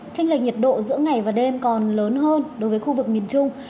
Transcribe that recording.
tranh lệch nhiệt độ giữa ngày và đêm còn lớn hơn đối với khu vực miền trung